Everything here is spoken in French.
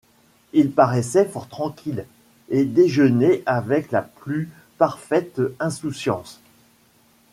Il paraissait fort tranquille, et déjeunait avec la plus parfaite insouciance.